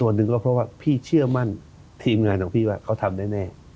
ส่วนหนึ่งก็เพราะว่าพี่เชื่อมั่นทีมงานของพี่ว่าเขาทำแน่